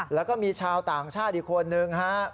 แล้วก็มีชาวต่างชาติคนจีนที่ลงไปนอนกับพื้น